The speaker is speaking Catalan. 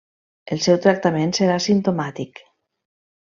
El seu tractament serà simptomàtic.